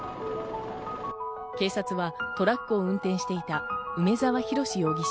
警察はトラックを運転していた梅沢洋容疑者